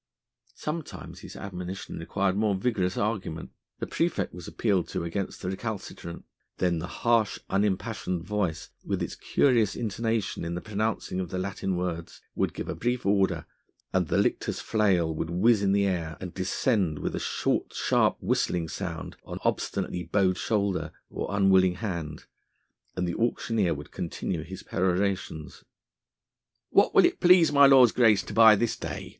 Sometimes his admonition required more vigorous argument. The praefect was appealed to against the recalcitrant. Then the harsh unimpassioned voice with its curious intonation in the pronouncing of the Latin words, would give a brief order and the lictor's flail would whizz in the air and descend with a short sharp whistling sound on obstinately bowed shoulder or unwilling hand, and the auctioneer would continue his perorations. "What will it please my lord's grace to buy this day?